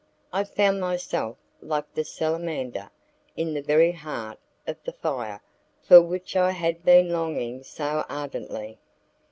I found myself like the salamander, in the very heart of the fire for which I had been longing so ardently.